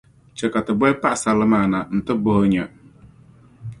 Chɛ ka ti boli paɣisarili maa na nti bɔhi o nya.